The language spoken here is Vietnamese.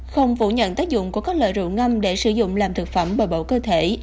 không phủ nhận tác dụng của các loại rượu ngâm để sử dụng làm thực phẩm và bảo cơ thể